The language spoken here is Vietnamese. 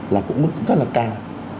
là cũng mức rất là cao